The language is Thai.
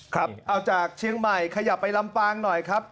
ครับเอาจากเชียงใหม่ขยับไปลำปางหน่อยครับ